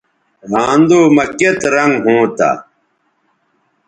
رھاندو مہ کیئت رنگ ھونتہ